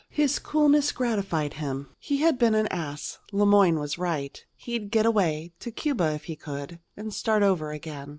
His coolness gratified him. He had been an ass: Le Moyne was right. He'd get away to Cuba if he could and start over again.